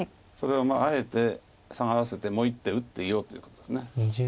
それをあえてサガらせてもう１手打っていようということです。